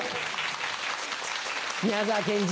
宮沢賢治。